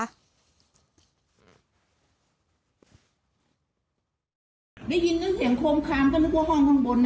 ได้ยินทั้งเสียงโคมคามก็นึกว่าห้องข้างบน